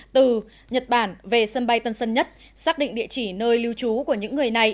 từ nhật bản về sân bay tân sơn nhất xác định địa chỉ nơi lưu trú của những người này